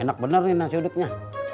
enak bener nih nasi uduknya